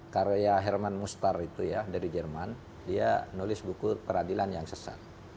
karya herman mustar itu ya dari jerman dia nulis buku peradilan yang sesat